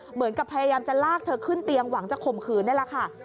เหมือนกับพยายามจะลากเธอขึ้นเตียงหวังจะข่มขืนนี่แหละค่ะ